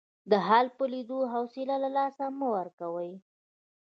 د حال په لیدو حوصله له لاسه مه ورکوئ.